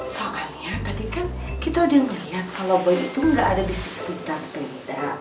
soalnya tadi kan kita udah ngeliat kalo boy itu gak ada di sekitar tenda